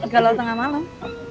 galau tengah malam